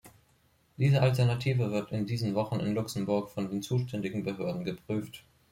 Diese Alternative wird in diesen Wochen in Luxemburg von den zuständigen Behörden geprüft.